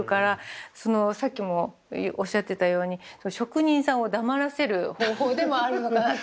そのさっきもおっしゃってたように職人さんを黙らせる方法でもあるのかなって。